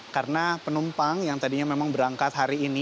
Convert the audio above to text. karena penumpang yang tadinya memang berangkat hari ini